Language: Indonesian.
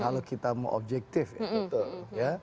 kalau kita mau objektif ya